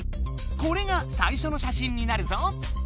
これがさいしょのしゃしんになるぞ。